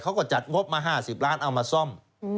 เขาก็จัดงบมา๕๐ล้านเอามาซ่อม